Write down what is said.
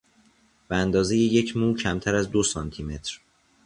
به اندازهی یک مو کمتر از دو سانتیمتر